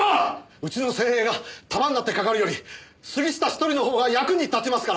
うちの精鋭が束になってかかるより杉下一人の方が役に立ちますから。